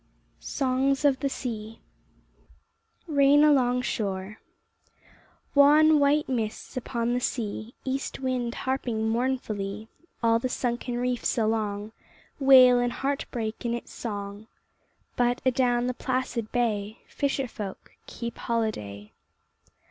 SONGS OF THE SEA RAIN ALONG SHORE Wan white mists upon the sea, East wind harping mournfully All the sunken reefs along, Wail and heart break in its song, But adown the placid bay Fisher folk keep holiday.